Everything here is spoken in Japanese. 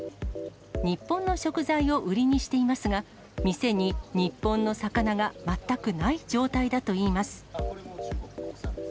日本の食材を売りにしていますが、店に日本の魚が全くない状態だといいます。